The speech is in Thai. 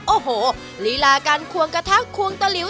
โอ้โหลีลาการควงกระทะควงตะหลิว